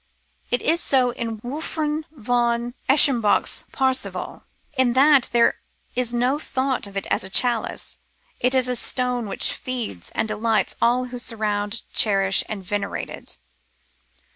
It is so in Wolfran von Eschenbach's Parzival, In that there is no thought of it as a chalice : it is a stone which feeds and delights all who surround, cherish, and venerate it.